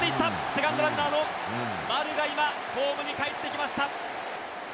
セカンドランナーの丸が今、ホームにかえってきました。